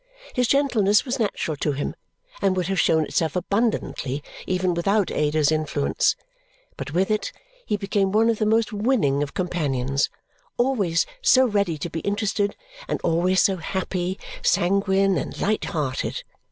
His gentleness was natural to him and would have shown itself abundantly even without Ada's influence; but with it, he became one of the most winning of companions, always so ready to be interested and always so happy, sanguine, and light hearted.